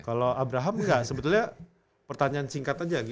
kalau abraham nggak sebetulnya pertanyaan singkat aja